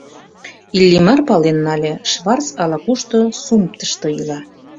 Иллимар пален нале: Шварц ала-кушто сумптышто ила.